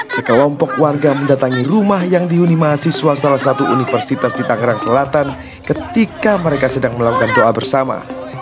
sekelompok warga mendatangi rumah yang dihuni mahasiswa salah satu universitas di tangerang selatan ketika mereka sedang melakukan doa bersama